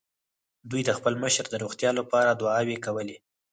دوی د خپل مشر د روغتيا له پاره دعاوې کولې.